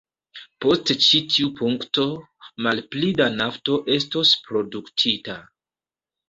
Post ĉi tiu punkto, malpli da nafto estos produktita.